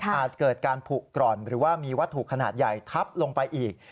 เกิดการผูกร่อนหรือว่ามีวัตถุขนาดใหญ่ทับลงไปอีก